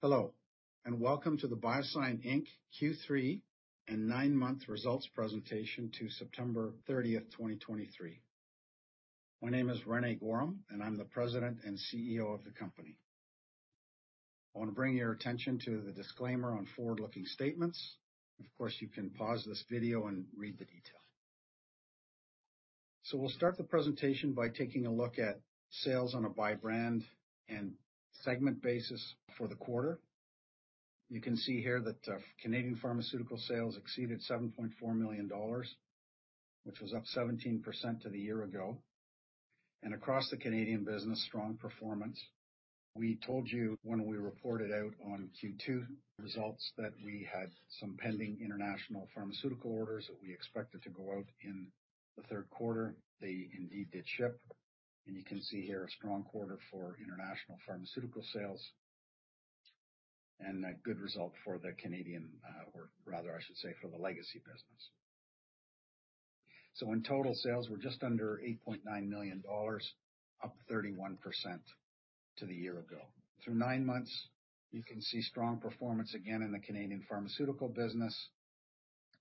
Hello, and welcome to the BioSyent Inc. Q3 and 9-month results presentation to September 30, 2023. My name is René Goehrum, and I'm the President and CEO of the company. I want to bring your attention to the disclaimer on forward-looking statements. Of course, you can pause this video and read the details. We'll start the presentation by taking a look at sales on a by-brand and segment basis for the quarter. You can see here that Canadian pharmaceutical sales exceeded 7.4 million dollars, which was up 17% to the year ago. Across the Canadian business, strong performance. We told you when we reported out on Q2 results that we had some pending international pharmaceutical orders that we expected to go out in the third quarter. They indeed did ship, and you can see here a strong quarter for international pharmaceutical sales and a good result for the Canadian, or rather, I should say, for the legacy business. So in total, sales were just under 8.9 million dollars, up 31% to the year ago. Through 9 months, you can see strong performance again in the Canadian pharmaceutical business.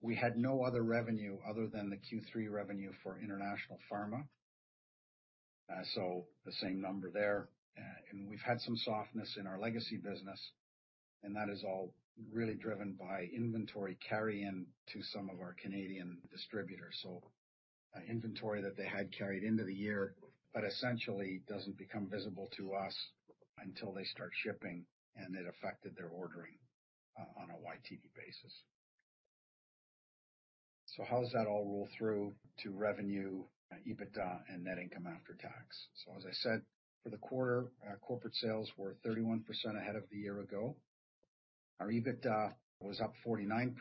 We had no other revenue other than the Q3 revenue for international pharma. So the same number there. And we've had some softness in our legacy business, and that is all really driven by inventory carry-in to some of our Canadian distributors. So an inventory that they had carried into the year, but essentially doesn't become visible to us until they start shipping, and it affected their ordering on a YTD basis. So how does that all roll through to revenue, EBITDA, and net income after tax? As I said, for the quarter, corporate sales were 31% ahead of the year ago. Our EBITDA was up 49%,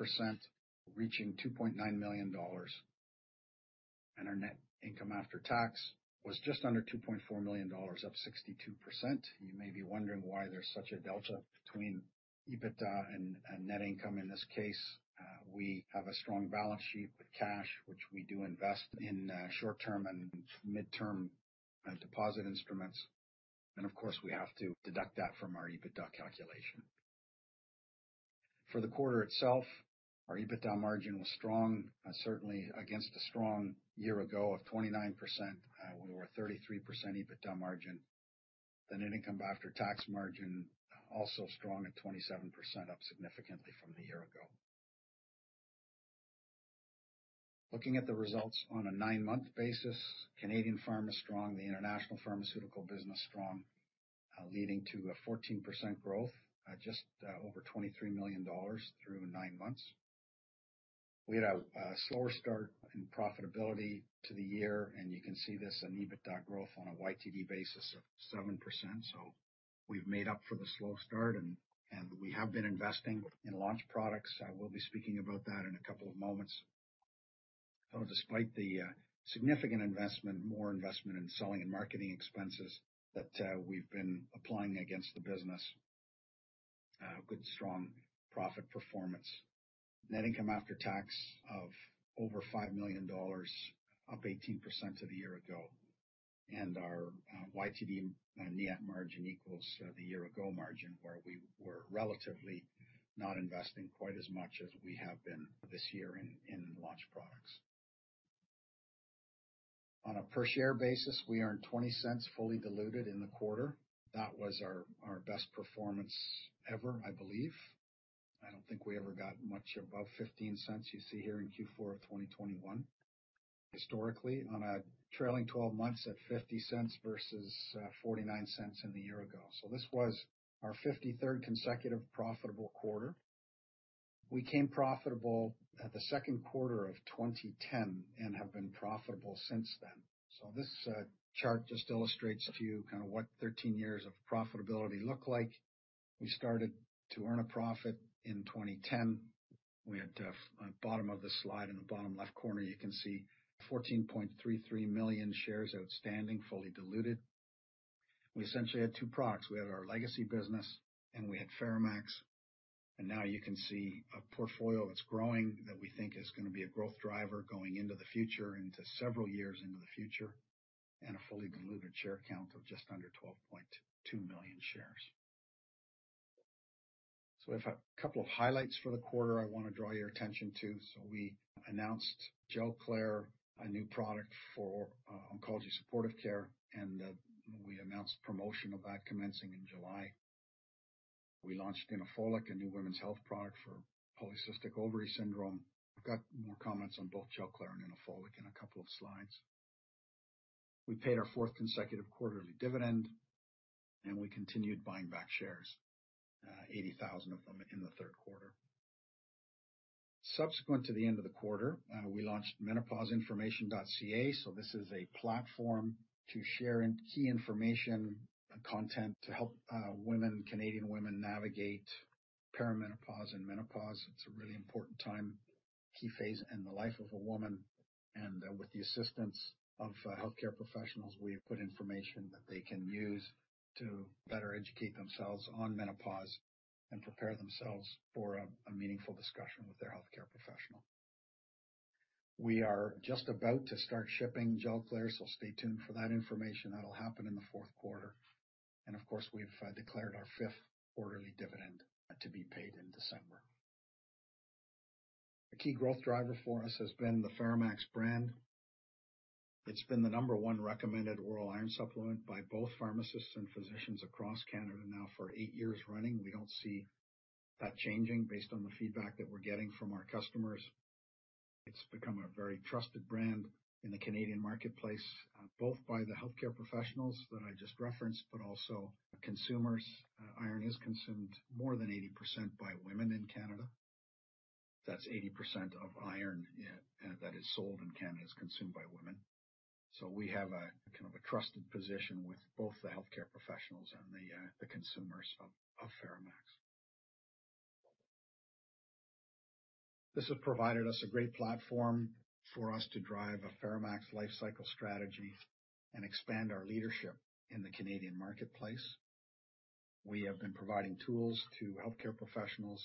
reaching 2.9 million dollars, and our net income after tax was just under 2.4 million dollars, up 62%. You may be wondering why there's such a delta between EBITDA and net income. In this case, we have a strong balance sheet with cash, which we do invest in short-term and midterm deposit instruments. And of course, we have to deduct that from our EBITDA calculation. For the quarter itself, our EBITDA margin was strong, certainly against a strong year ago of 29%. We were 33% EBITDA margin. The net income after tax margin, also strong at 27%, up significantly from the year ago. Looking at the results on a 9-month basis, Canadian pharma is strong, the international pharmaceutical business strong, leading to a 14% growth at just over 23 million dollars through 9 months. We had a slower start in profitability to the year, and you can see this in EBITDA growth on a YTD basis of 7%. So we've made up for the slow start, and we have been investing in launch products. I will be speaking about that in a couple of moments. So despite the significant investment, more investment in selling and marketing expenses that we've been applying against the business, good, strong profit performance. Net income after tax of over 5 million dollars, up 18% to the year ago. Our YTD net margin equals the year-ago margin, where we were relatively not investing quite as much as we have been this year in launch products. On a per-share basis, we earned 0.20, fully diluted in the quarter. That was our best performance ever, I believe. I don't think we ever got much above 0.15. You see here in Q4 of 2021. Historically, on a trailing twelve months at 0.50 versus forty-nine cents in the year ago. This was our 53rd consecutive profitable quarter. We came profitable at the second quarter of 2010 and have been profitable since then. This chart just illustrates to you kind of what 13 years of profitability look like. We started to earn a profit in 2010. We had, at bottom of the slide, in the bottom left corner, you can see 14.33 million shares outstanding, fully diluted. We essentially had two products. We had our legacy business, and we had FeraMAX. And now you can see a portfolio that's growing that we think is gonna be a growth driver going into the future, into several years into the future, and a fully diluted share count of just under 12.2 million shares. So we have a couple of highlights for the quarter I want to draw your attention to. So we announced Gelclair, a new product for, oncology supportive care, and, we announced promotion of that commencing in July. We launched Inofolic, a new women's health product for polycystic ovary syndrome. I've got more comments on both Gelclair and Inofolic in a couple of slides. We paid our fourth consecutive quarterly dividend, and we continued buying back shares, 80,000 of them in the third quarter. Subsequent to the end of the quarter, we launched menopauseinformation.ca. So this is a platform to share key information and content to help women, Canadian women, navigate perimenopause and menopause. It's a really important time, key phase in the life of a woman, and with the assistance of healthcare professionals, we put information that they can use to better educate themselves on menopause and prepare themselves for a meaningful discussion with their healthcare professional. We are just about to start shipping Gelclair, so stay tuned for that information. That'll happen in the fourth quarter, and of course, we've declared our fifth quarterly dividend to be paid in December. A key growth driver for us has been the FeraMAX brand. It's been the No. 1 recommended oral iron supplement by both pharmacists and physicians across Canada now for eight years running. We don't see that changing based on the feedback that we're getting from our customers. It's become a very trusted brand in the Canadian marketplace, both by the healthcare professionals that I just referenced, but also consumers. Iron is consumed more than 80% by women in Canada. That's 80% of iron that is sold in Canada is consumed by women. So we have a kind of trusted position with both the healthcare professionals and the consumers of FeraMAX. This has provided us a great platform for us to drive a FeraMAX lifecycle strategy and expand our leadership in the Canadian marketplace. We have been providing tools to healthcare professionals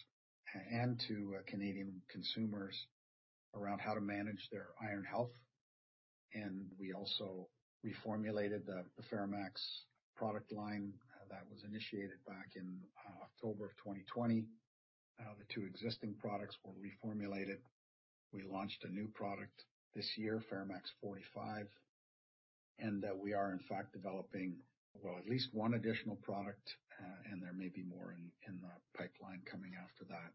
and to Canadian consumers around how to manage their iron health, and we also reformulated the FeraMAX product line that was initiated back in October of 2020. The two existing products were reformulated. We launched a new product this year, FeraMAX 45, and we are in fact developing, well, at least one additional product, and there may be more in the pipeline coming after that.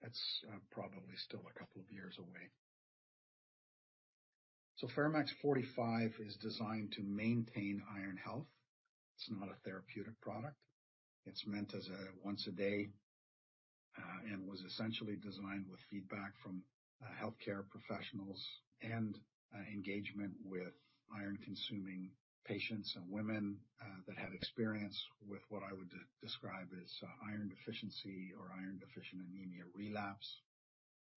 That's probably still a couple of years away. So FeraMAX 45 is designed to maintain iron health. It's not a therapeutic product. It's meant as a once a day and was essentially designed with feedback from healthcare professionals and engagement with iron-consuming patients and women that had experience with what I would describe as iron deficiency or iron deficient anemia relapse.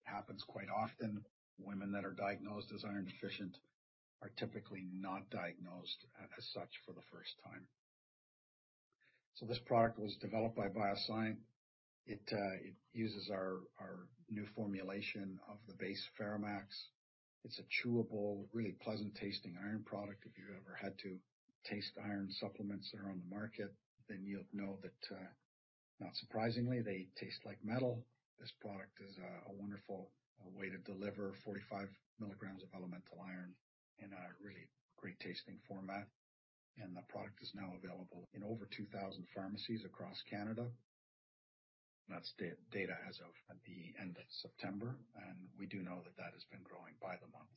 Happens quite often. Women that are diagnosed as iron deficient are typically not diagnosed as such for the first time. So this product was developed by BioSyent. It, it uses our, our new formulation of the base FeraMAX. It's a chewable, really pleasant-tasting iron product. If you've ever had to taste iron supplements that are on the market, then you'll know that, not surprisingly, they taste like metal. This product is a wonderful way to deliver 45 milligrams of elemental iron in a really great-tasting format, and the product is now available in over 2,000 pharmacies across Canada. That's data as of the end of September, and we do know that that has been growing by the month.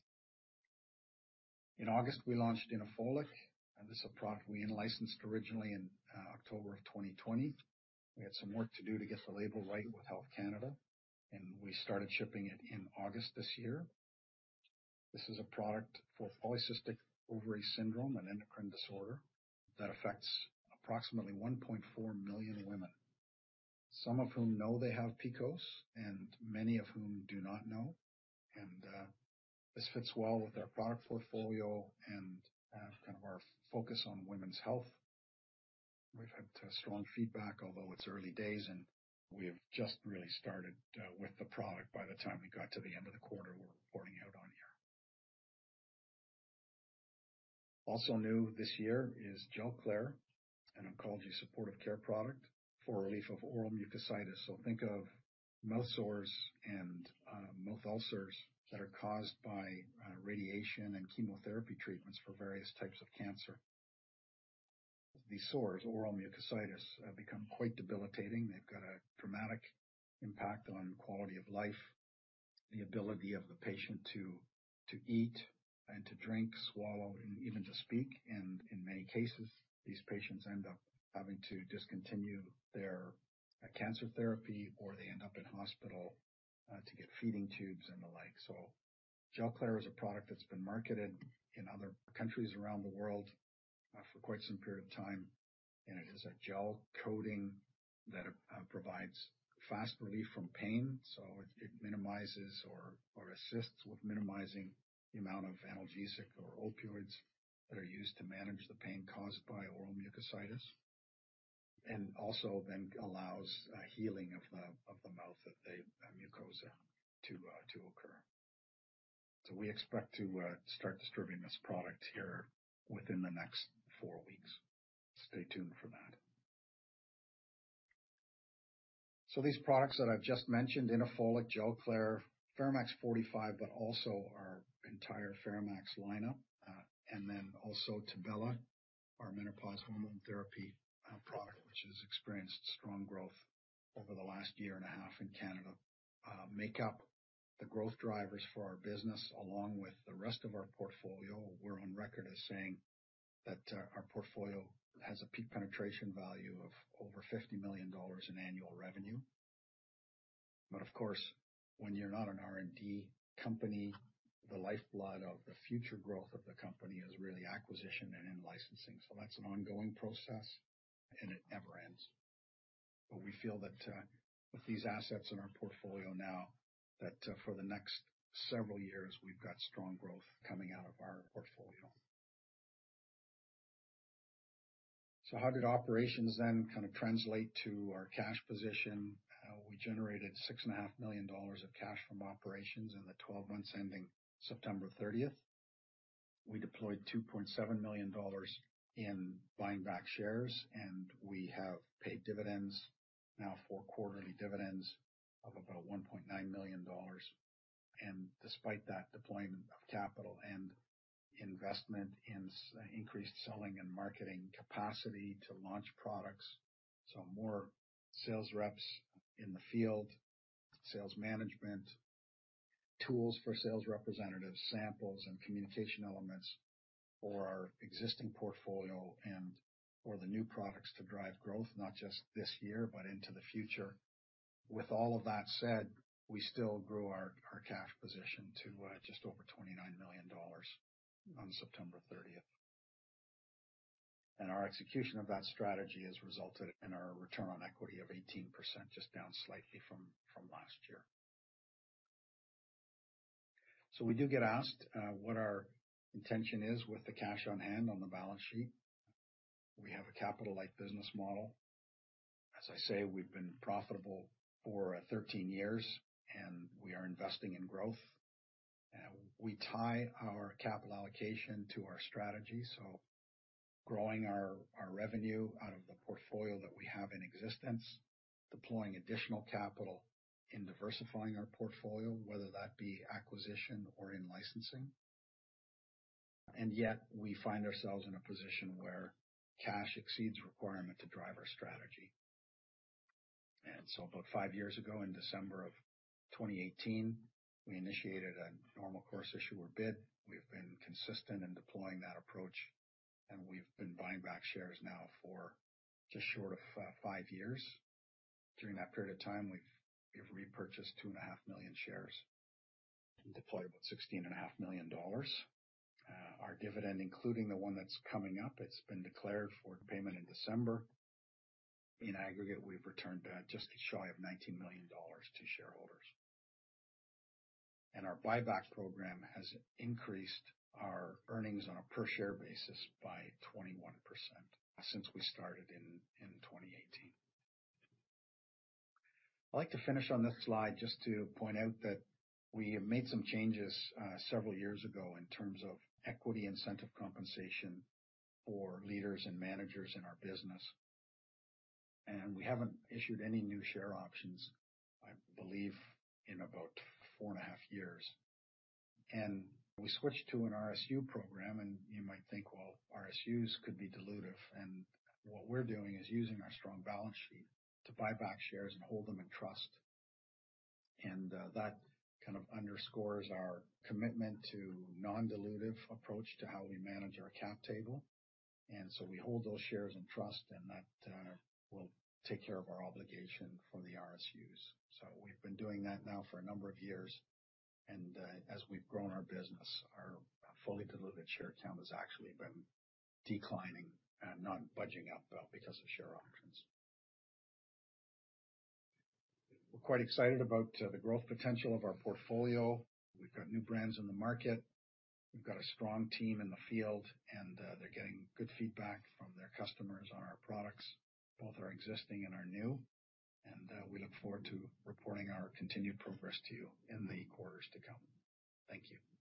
In August, we launched Inofolic, and this is a product we in-licensed originally in October of 2020. We had some work to do to get the label right with Health Canada, and we started shipping it in August this year. This is a product for polycystic ovary syndrome, an endocrine disorder that affects approximately 1.4 million women, some of whom know they have PCOS and many of whom do not know. This fits well with our product portfolio and kind of our focus on women's health. We've had strong feedback, although it's early days, and we have just really started with the product by the time we got to the end of the quarter we're reporting out on here. Also new this year is Gelclair, an oncology supportive care product for relief of oral mucositis. So think of mouth sores and mouth ulcers that are caused by radiation and chemotherapy treatments for various types of cancer. These sores, oral mucositis, become quite debilitating. They've got a dramatic impact on quality of life, the ability of the patient to eat and to drink, swallow, and even to speak, and in many cases, these patients end up having to discontinue their cancer therapy, or they end up in hospital to get feeding tubes and the like. So Gelclair is a product that's been marketed in other countries around the world for quite some period of time, and it is a gel coating that provides fast relief from pain. So it minimizes or assists with minimizing the amount of analgesic or opioids that are used to manage the pain caused by oral mucositis. And also then allows healing of the mouth, the mucosa to occur. We expect to start distributing this product here within the next four weeks. Stay tuned for that. These products that I've just mentioned, Inofolic, Gelclair, FeraMAX 45, but also our entire FeraMAX lineup, and then also Tibella, our menopause hormone therapy product, which has experienced strong growth over the last year and a half in Canada, make up the growth drivers for our business, along with the rest of our portfolio. We're on record as saying that our portfolio has a peak penetration value of over 50 million dollars in annual revenue. But of course, when you're not an R&D company, the lifeblood of the future growth of the company is really acquisition and in-licensing. That's an ongoing process, and it never ends. But we feel that, with these assets in our portfolio now, that, for the next several years, we've got strong growth coming out of our portfolio... So how did operations then kind of translate to our cash position? We generated 6.5 million dollars of cash from operations in the 12 months ending September 30. We deployed 2.7 million dollars in buying back shares, and we have paid dividends, now four quarterly dividends of about 1.9 million dollars. And despite that deployment of capital and investment in increased selling and marketing capacity to launch products, so more sales reps in the field, sales management, tools for sales representatives, samples and communication elements for our existing portfolio and for the new products to drive growth, not just this year, but into the future. With all of that said, we still grew our cash position to just over 29 million dollars on September thirtieth. Our execution of that strategy has resulted in our return on equity of 18%, just down slightly from last year. We do get asked what our intention is with the cash on hand on the balance sheet. We have a capital-light business model. As I say, we've been profitable for 13 years, and we are investing in growth. We tie our capital allocation to our strategy, so growing our revenue out of the portfolio that we have in existence, deploying additional capital in diversifying our portfolio, whether that be acquisition or in licensing. And yet we find ourselves in a position where cash exceeds requirement to drive our strategy. About five years ago, in December 2018, we initiated a Normal Course Issuer Bid. We've been consistent in deploying that approach, and we've been buying back shares now for just short of five years. During that period of time, we've repurchased 2.5 million shares and deployed about 16.5 million dollars. Our dividend, including the one that's coming up, it's been declared for payment in December. In aggregate, we've returned just shy of 19 million dollars to shareholders. Our buyback program has increased our earnings on a per-share basis by 21% since we started in 2018. I'd like to finish on this slide just to point out that we have made some changes several years ago in terms of equity incentive compensation for leaders and managers in our business. We haven't issued any new share options, I believe, in about 4.5 years. We switched to an RSU program, and you might think, well, RSUs could be dilutive, and what we're doing is using our strong balance sheet to buy back shares and hold them in trust. That kind of underscores our commitment to non-dilutive approach to how we manage our cap table. So we hold those shares in trust, and that will take care of our obligation for the RSUs. We've been doing that now for a number of years, and as we've grown our business, our fully dilutive share count has actually been declining and not budging up because of share options. We're quite excited about the growth potential of our portfolio. We've got new brands in the market. We've got a strong team in the field, and they're getting good feedback from their customers on our products, both our existing and our new, and we look forward to reporting our continued progress to you in the quarters to come. Thank you.